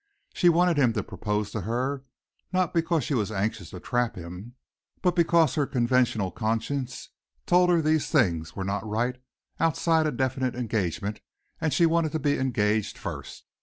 She wanted him to propose to her, not because she was anxious to trap him, but because her conventional conscience told her these things were not right outside a definite engagement and she wanted to be engaged first.